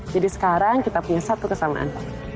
jadi sekarang kita punya satu kesamaan